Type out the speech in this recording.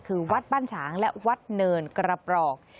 คือวัดบ้านฉางและวัดเนินกระปรอก